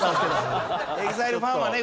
ＥＸＩＬＥファンはね